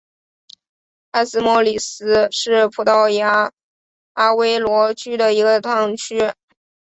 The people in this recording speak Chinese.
埃斯莫里斯是葡萄牙阿威罗区的一个堂区。